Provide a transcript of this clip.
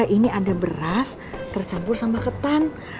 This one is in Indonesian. ini ada beras tercampur sama ketan